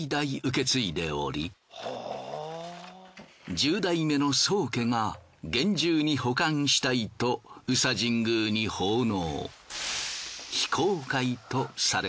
十代目の宗家が厳重に保管したいと宇佐神宮に奉納。